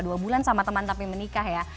dua bulan sama teman tapi menikah ya